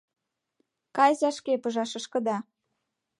Кайыза шке пыжашышкыда.